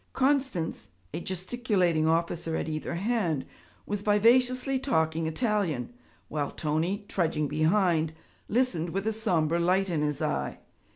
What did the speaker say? Constance, a gesticulating officer at either hand, was vivaciously talking Italian, while Tony, trudging behind, listened with a sombre light in his eye.